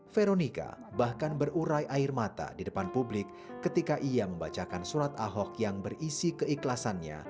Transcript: veronica bahkan berurai air mata di depan publik ketika ia membacakan surat ahok yang berisi keikhlasannya